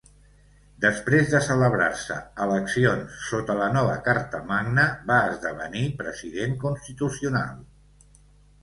Després de celebrar-se eleccions sota la nova Carta Magna, va esdevenir president constitucional.